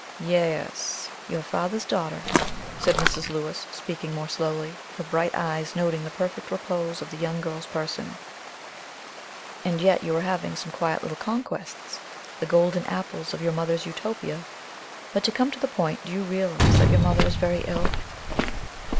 "Ye es; your father's daughter," said Mrs. Lewis, speaking more slowly, her bright eyes noting the perfect repose of the young girl's person; "and yet you are having some quiet little conquests, the golden apples of your mother's Utopia. But to come to the point, do you realize that your mother is very ill?"